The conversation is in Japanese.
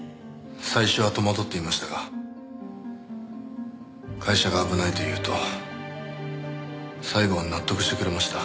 最初は戸惑っていましたが会社が危ないと言うと最後は納得してくれました。